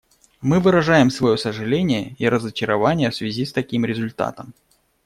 Мы выражаем свое сожаление и разочарование в связи с таким результатом.